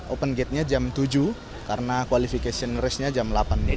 open gate nya jam tujuh karena qualification race nya jam delapan